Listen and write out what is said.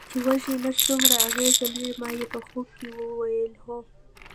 چې وږی نس څومره اغېز لري، ما یې په ځواب کې وویل: هو.